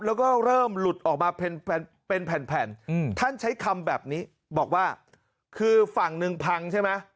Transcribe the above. แล้วก็เริ่มหลุดออกมาเป็นแผ่นท่านใช้คำแบบนี้บอกว่าคือฝั่งหนึ่งพังใช่ไหม